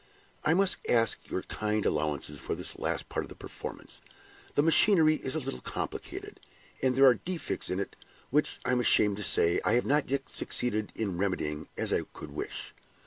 I must ask your kind allowances for this last part of the performance. The machinery is a little complicated, and there are defects in it which I am ashamed to say I have not yet succeeded in remedying as I could wish.